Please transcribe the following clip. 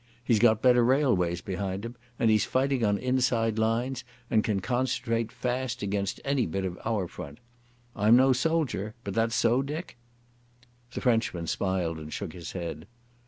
He's got better railways behind him, and he's fighting on inside lines and can concentrate fast against any bit of our front. I'm no soldier, but that's so, Dick?" The Frenchman smiled and shook his head.